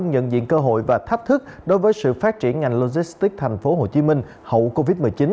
nhận diện cơ hội và thách thức đối với sự phát triển ngành logistics tp hcm hậu covid một mươi chín